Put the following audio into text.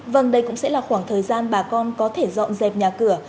vâng đây cũng sẽ là khoảng thời gian bà con có thể dọn dẹp nhà cửa